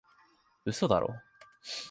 嘘だろ？